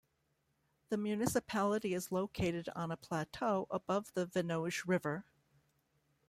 The municipality is located on a plateau above the Venoge river.